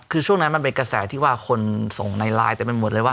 คือช่วงนั้นมันเป็นกระแสที่ว่าคนส่งในไลน์เต็มไปหมดเลยว่า